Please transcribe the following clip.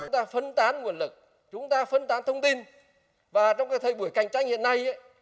chúng ta phân tán nguồn lực chúng ta phân tán thông tin và trong cái thời buổi cạnh tranh hiện nay